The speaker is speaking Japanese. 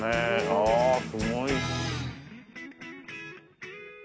はあすごい。